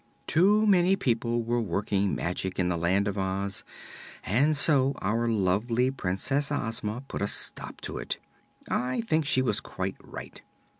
"Too many people were working magic in the Land of Oz, and so our lovely Princess Ozma put a stop to it. I think she was quite right.